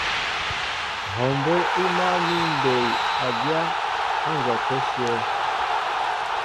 Hɔɔ mbó' í máál mi mbey a dyá á nzɔkə íshyə̂.